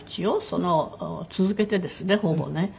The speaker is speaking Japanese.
続けてですねほぼね。